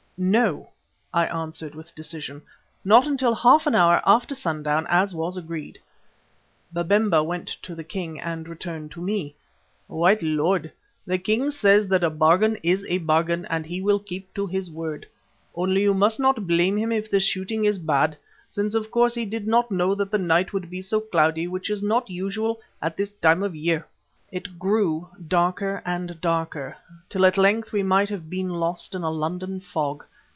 "No," I answered with decision, "not till half an hour after sundown as was agreed." Babemba went to the king and returned to me. "White lord, the king says that a bargain is a bargain, and he will keep to his word. Only you must not then blame him if the shooting is bad, since of course he did not know that the night would be so cloudy, which is not usual at this time of year." It grew darker and darker, till at length we might have been lost in a London fog.